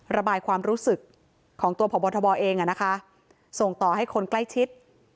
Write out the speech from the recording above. ระบายความรู้สึกของตัวพบทบเองส่งต่อให้คนใกล้ชิด